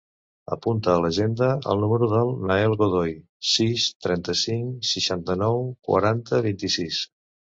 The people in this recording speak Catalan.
Apunta a l'agenda el número del Nael Godoy: sis, trenta-cinc, seixanta-nou, quaranta, vint-i-sis.